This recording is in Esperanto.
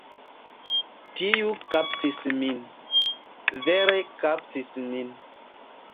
Tiu kaptis min. Vere kaptis min.